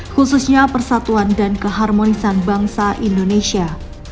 khususnya persatuan dan keharmonisan bangsa indonesia